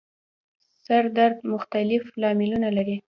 سر درد مختلف لاملونه لري